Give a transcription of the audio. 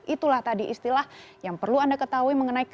itulah tadi istilah yang perlu anda ketahui mengenai krisis